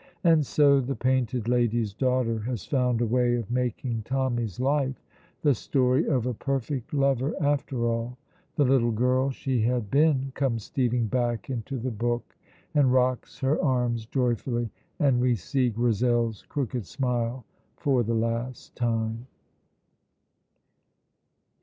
And so the Painted Lady's daughter has found a way of making Tommy's life the story of a perfect lover, after all. The little girl she had been comes stealing back into the book and rocks her arms joyfully, and we see Grizel's crooked smile for the last time.